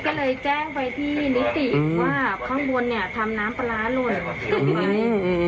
เขาก็พี่ก็พึ่งมาก็เลยไม่รู้ว่าน้ำอะไร